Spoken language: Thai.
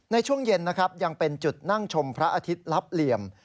ในช่วงเย็นนะครับยังเป็นจุดนั่งชมพระอาทิตย์ลับเหลี่ยม